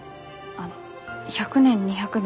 あの１００年２００年